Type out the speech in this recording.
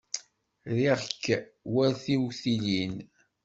Riɣ-k war tiwtilin.